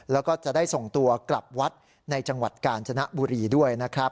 แล้วก็จะได้ส่งตัวกลับวัดในจังหวัดกาญจนบุรีด้วยนะครับ